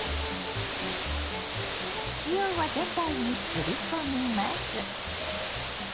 塩を全体にすり込みます。